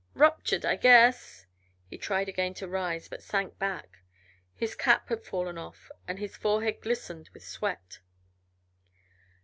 "Ruptured I guess." He tried again to rise, but sank back. His cap had fallen off and his forehead glistened with sweat.